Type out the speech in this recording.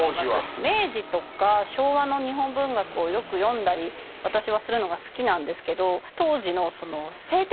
明治とか昭和の日本文学をよく読んだり私はするのが好きなんですけど当時のその性的な描写？